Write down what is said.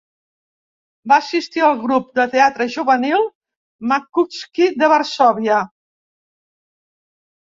Va assistir al grup de teatre juvenil Machulski de Varsòvia.